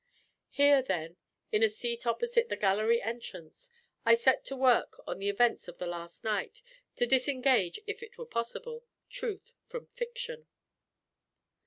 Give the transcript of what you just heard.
Here, then, in a seat opposite the gallery entrance, I set to work on the events of the last night, to disengage (if it were possible) truth from fiction.